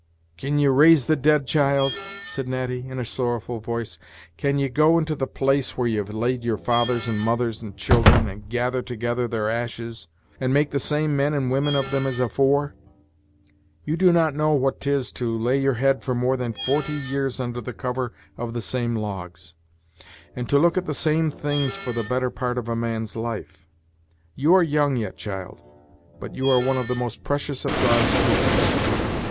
"Can ye raise the dead, child?" said Natty, in a sorrowful voice: "can ye go into the place where you've laid your fathers, and mothers, and children, and gather together their ashes, and make the same men and women of them as afore? You do not know what 'tis to lay your head for more than forty years under the cover of the same logs, and to look at the same things for the better part of a man's life. You are young yet, child, but you are one of the most precious of God's creatures.